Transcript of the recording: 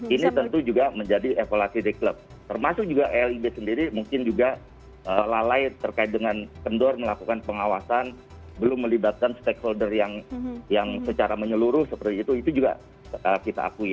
ini tentu juga menjadi evaluasi dari klub termasuk juga lib sendiri mungkin juga lalai terkait dengan kendor melakukan pengawasan belum melibatkan stakeholder yang secara menyeluruh seperti itu itu juga kita akui